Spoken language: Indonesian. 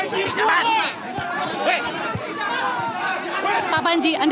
bapak diduga melakukan penistanan agama